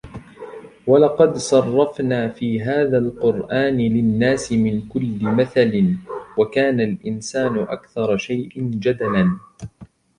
وَلَقَدْ صَرَّفْنَا فِي هَذَا الْقُرْآنِ لِلنَّاسِ مِنْ كُلِّ مَثَلٍ وَكَانَ الْإِنْسَانُ أَكْثَرَ شَيْءٍ جَدَلًا